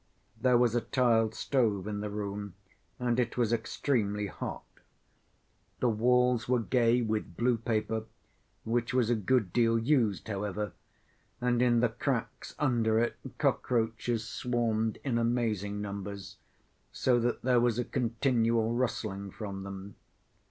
There was a tiled stove in the room and it was extremely hot. The walls were gay with blue paper, which was a good deal used however, and in the cracks under it cockroaches swarmed in amazing numbers, so that there was a continual rustling from them.